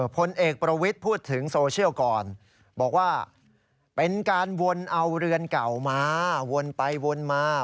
พลเอกประวิทย์พูดถึงโซเชียลก่อนบอกว่าเป็นการวนเอาเรือนเก่ามาวนไปวนมา